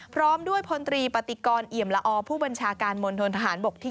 พร้อมด้วยพลตรีปฏิกรเอี่ยมละอผู้บัญชาการมณฑนทหารบกที่